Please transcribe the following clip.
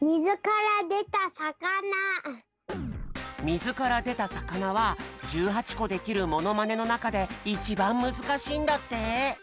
「みずからでたさかな」は１８こできるモノマネのなかでいちばんむずかしいんだって。